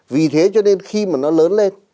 vì thế cho nên khi mà nó lớn lên